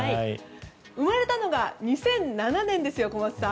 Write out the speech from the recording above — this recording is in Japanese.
生まれたのが２００７年ですよ小松さん。